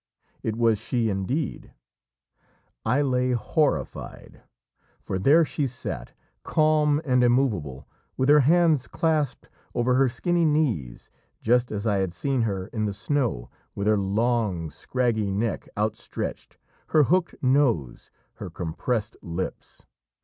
It was she indeed! I lay horrified, for there she sat calm and immovable, with her hands clasped over her skinny knees, just as I had seen her in the snow, with her long scraggy neck outstretched, her hooked nose, her compressed lips.